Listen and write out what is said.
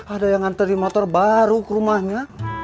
ada yang ngantri motor baru ke rumahnya